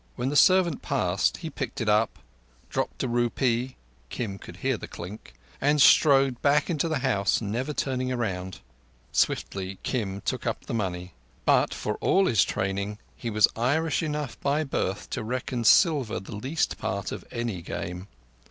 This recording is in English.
When the servant passed he picked it up, dropped a rupee—Kim could hear the clink—and strode into the house, never turning round. Swiftly Kim took up the money; but for all his training, he was Irish enough by birth to reckon silver the least part of any game.